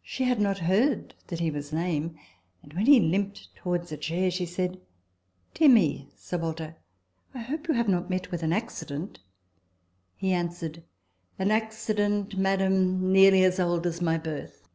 She had not heard that he was lame ; and when he limped towards a chair, she said, " Dear me, Sir Walter, I hope you have not met with an acccident ?" He answered, " An accident, madam, nearly as old as my birth."